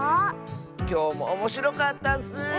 きょうもおもしろかったッス！